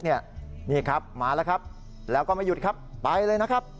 นี่ครับมาแล้วครับแล้วก็ไม่หยุดครับไปเลยนะครับ